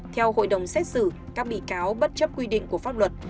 theo hội đồng xét xử các bị cáo bất chấp quy định của pháp luật